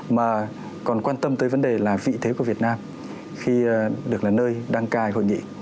mà còn quan tâm tới vấn đề là vị thế của việt nam khi được là nơi đăng cai hội nghị